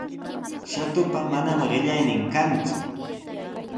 Shatupa manami qillaynin kanku.